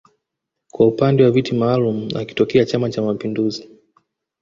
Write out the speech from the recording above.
kwa upande wa viti maalum akitokea chama cha mapinduzi